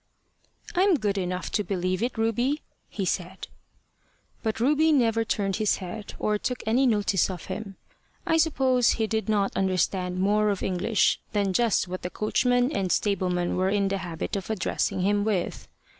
"I'm good enough to believe it, Ruby," he said. But Ruby never turned his head, or took any notice of him. I suppose he did not understand more of English than just what the coachman and stableman were in the habit of addressing him with.